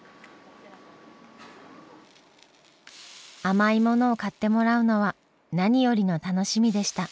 甘いものを買ってもらうのは何よりの楽しみでした。